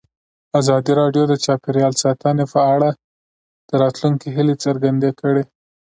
ازادي راډیو د چاپیریال ساتنه په اړه د راتلونکي هیلې څرګندې کړې.